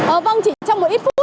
ở văn chỉ trong một ít phút